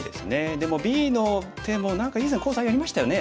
でもＢの手も何か以前講座やりましたよね。